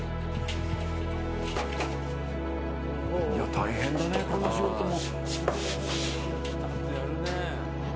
大変だね、この仕事も。